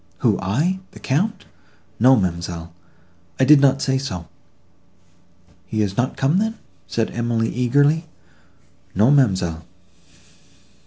"Who, I!—the Count! No, ma'amselle, I did not say so." "He is not come then?" said Emily eagerly. "No, ma'amselle."